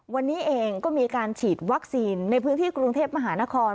วันนี้เองก็มีการฉีดวัคซีนในพื้นที่กรุงเทพมหานคร